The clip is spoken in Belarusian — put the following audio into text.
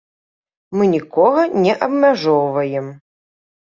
Мы нікога не абмяжоўваем.